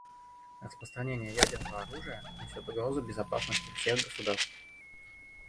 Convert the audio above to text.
Распространение ядерного оружия несет угрозу безопасности всех государств.